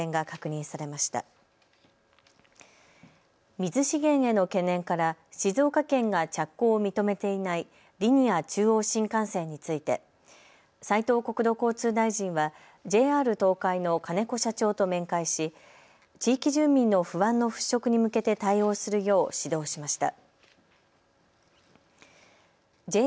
水資源への懸念から静岡県が着工を認めていないリニア中央新幹線について斉藤国土交通大臣はＪＲ東海の金子社長と面会し地域住民の不安の払拭に向けて対応するよう指導しました。